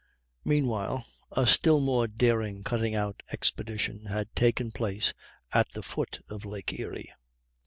Meanwhile a still more daring cutting out expedition had taken place at the foot of Lake Erie.